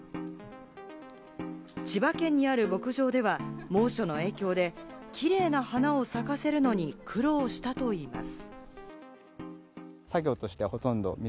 千葉県にある牧場では猛暑の影響で、キレイな花を咲かせるのに苦労したといいます。